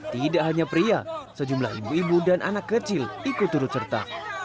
tidak hanya pria sejumlah ibu ibu dan anak kecil ikut turut serta